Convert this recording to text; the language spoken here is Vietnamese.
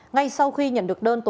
ngay sau khi nhận được thông tin